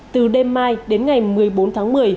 từ đêm mai đến ngày một mươi bốn tháng một mươi